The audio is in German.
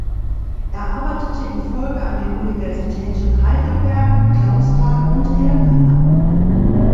Er arbeitete in Folge an den Universitäten Heidelberg, Clausthal und Ilmenau.